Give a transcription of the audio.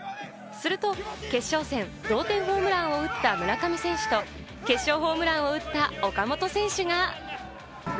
すると決勝戦、同点ホームランを打った村上選手と決勝ホームランを打った岡本選手が。